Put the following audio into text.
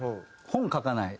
本書かない。